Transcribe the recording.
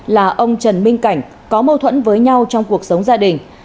là ông trần minh cảnh có mâu thuẫn với nhau trong cuộc sống gia đình